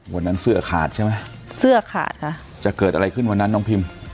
วันนั้นเสื้อขาดใช่ไหมเสื้อขาดค่ะจะเกิดอะไรขึ้นวันนั้นน้องพิม